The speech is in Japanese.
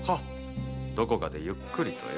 どこかでゆっくりとよ。